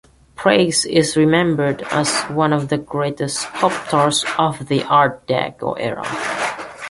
Preiss is remembered as one of the greatest sculptors of the Art Deco era.